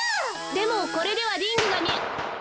でもこれではリングがみえ。